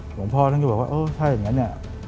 หลวงพ่อท่านก็บอกว่าเออถ้าอย่างนั้นเนี่ย